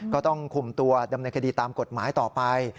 ก็ต้องคุมตัวดำเนินคดีตามกฎหมายต่อไป